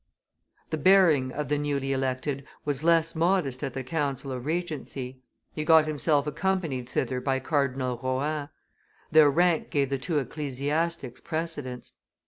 The bearing of the newly elected was less modest at the council of regency; he got himself accompanied thither by Cardinal Rohan; their rank gave the two ecclesiastics precedence.